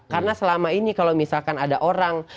karena selama ini kalau misalkan ada orang